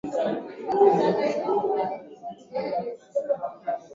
Liturujia ya Roma Ghasia zilifuata Negus Susneyos akajiuzulu